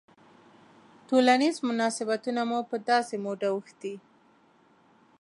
ټولنیز مناسبتونه مو پر داسې موډ اوښتي.